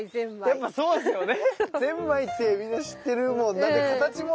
あっそうですよね。